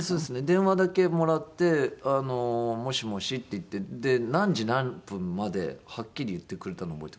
電話だけもらって「もしもし」って言って何時何分まではっきり言ってくれたの覚えてますね。